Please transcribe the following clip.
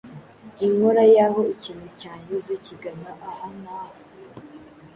inkora y’aho ikintu cyanyuze kigana aha n’aha,